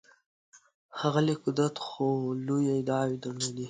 هغه لږ قدرت خو لویې ادعاوې درلودلې.